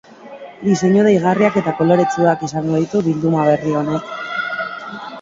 Diseinu deigarriak eta koloretsuak izango ditu bilduma berri honek.